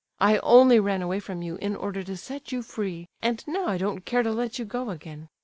I only ran away from you in order to set you free, and now I don't care to let you go again.